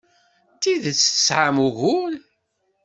D tidet tesɛam ugur.